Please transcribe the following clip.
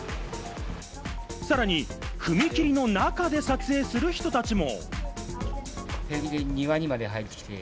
さらに踏切の中で撮影する人たちも。